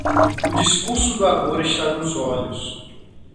O discurso do amor está nos olhos.